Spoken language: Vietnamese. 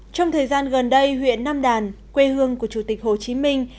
trong thời gian gần đây huyện nam đàn quê hương của chủ tịch hồ chí minh